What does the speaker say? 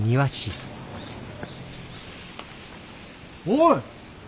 おい！